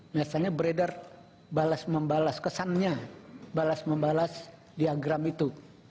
misalnya beredar balas membalas kesannya balas membalas diagram itu